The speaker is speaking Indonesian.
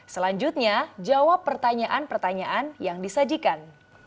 selanjutnya jawab pertanyaan pertanyaan yang disajikan